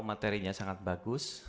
materinya sangat bagus